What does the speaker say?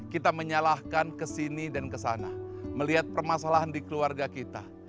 kita menyalahkan kesini dan kesana melihat permasalahan di keluarga kita